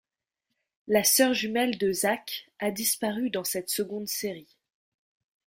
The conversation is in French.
La sœur jumelle de Zach a disparu dans cette seconde série.